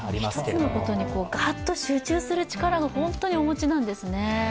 １つのことにばっと集中する力を本当にお持ちなんですね。